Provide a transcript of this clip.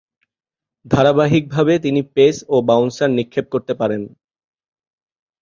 ধারাবাহিকভাবে তিনি পেস ও বাউন্সার নিক্ষেপ করতে পারেন।